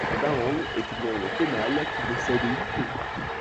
Le baheng est une langue tonale qui possède huit tons.